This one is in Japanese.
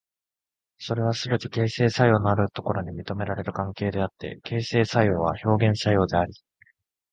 それはすべて形成作用のあるところに認められる関係であって、形成作用は表現作用であり、